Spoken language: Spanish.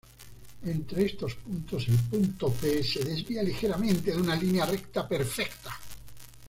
Entre estos puntos, el punto P se desvía ligeramente de una línea recta perfecta.